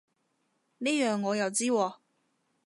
呢樣我又知喎